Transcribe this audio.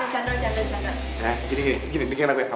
jangan bercanda jangan bercanda